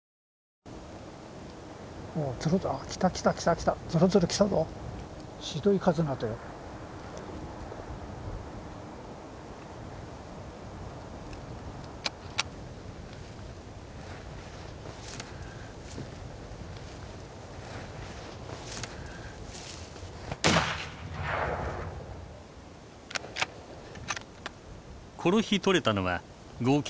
この日捕れたのは合計４頭。